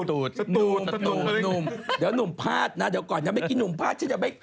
เดี๋ยวนุ่มพาดนะเดี๋ยวก่อนผมจะไปกินนุ่มพาด